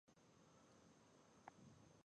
افغانستان کې د کابل سیند په هنر کې منعکس کېږي.